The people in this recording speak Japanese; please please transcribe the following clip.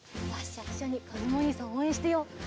じゃあいっしょにかずむおにいさんをおうえんしてよう。